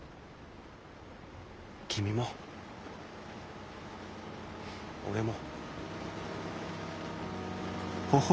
君も俺も。